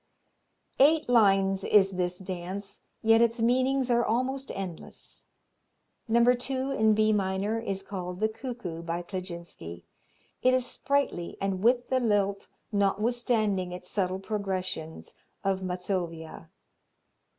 Eight lines is this dance, yet its meanings are almost endless. No. 2, in B minor, is called The Cuckoo by Kleczynski. It is sprightly and with the lilt, notwithstanding its subtle progressions, of Mazovia.